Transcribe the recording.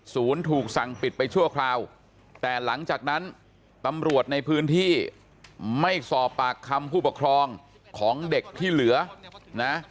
ถูกสั่งปิดไปชั่วคราวแต่หลังจากนั้นตำรวจในพื้นที่ไม่สอบปากคำผู้ปกครองของเด็กที่เหลือนะ